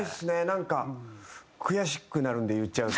なんか悔しくなるんで言っちゃうと。